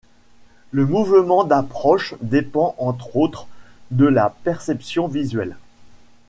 Le mouvement d’approche dépend entre autres de la perception visuelle.